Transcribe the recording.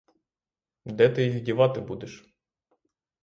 Де ти їх дівати будеш?